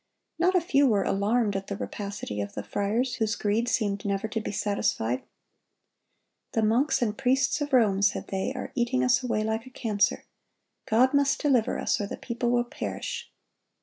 (112) Not a few were alarmed at the rapacity of the friars, whose greed seemed never to be satisfied. "The monks and priests of Rome," said they, "are eating us away like a cancer. God must deliver us, or the people will perish."